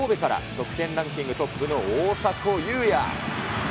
得点ランキングトップの大迫勇也。